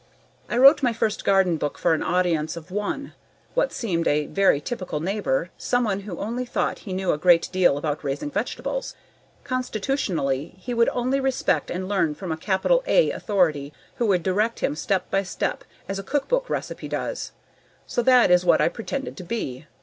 I wrote my first garden book for an audience of one: what seemed a very typical neighbor, someone who only thought he knew a great deal about raising vegetables. Constitutionally, he would only respect and learn from a capital "A" authority who would direct him step by step as a cookbook recipe does. So that is what I pretended to be.